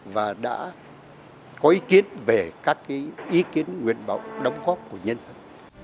và đã có ý kiến về các ý kiến nguyện vọng đóng góp của nhân dân